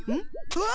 うわ！